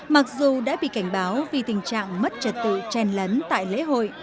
mặc dù đã bị cảnh báo vì tình trạng mất trật tự chèn lấn tại lễ hội